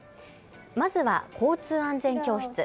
まずは交通安全教室。